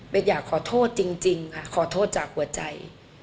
เป็นอยากขอโทษจริงค่ะขอโทษจากหัวใจ